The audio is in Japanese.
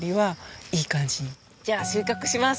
じゃあ収穫します